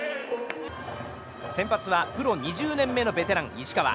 先発はプロ２０年目のベテラン、石川。